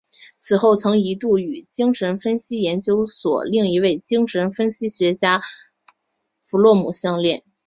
此后曾一度与精神分析研究所另一位精神分析学家弗洛姆相恋。